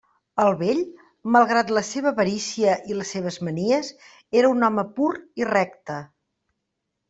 El vell, malgrat la seua avarícia i les seues manies, era un home pur i recte.